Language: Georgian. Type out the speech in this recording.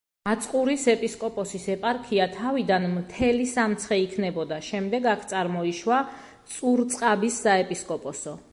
აწყურის ეპისკოპოსის ეპარქია თავიდან მთელი სამცხე იქნებოდა, შემდეგ აქ წარმოიშვა წურწყაბის საეპისკოპოსო.